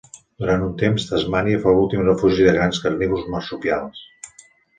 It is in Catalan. Durant un temps, Tasmània fou l'últim refugi de grans carnívors marsupials.